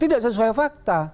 tidak sesuai fakta